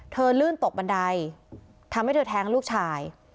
ลื่นตกบันไดทำให้เธอแท้งลูกชาย